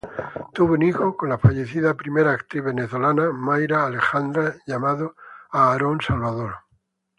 Tuvo un hijo con la fallecida primera actriz venezolana Mayra Alejandra llamado Aarón Salvador.